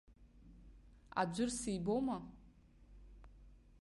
Аӡәыр сибома?